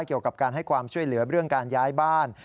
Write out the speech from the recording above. เกี่ยวกับการให้ความช่วยเหลือเรื่องการย้ายบ้าน